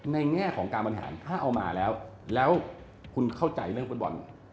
แง่ของการบริหารถ้าเอามาแล้วแล้วคุณเข้าใจเรื่องฟุตบอล